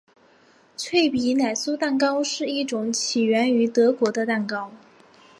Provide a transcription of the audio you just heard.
脆皮奶酥蛋糕是一种起源于德国的蛋糕。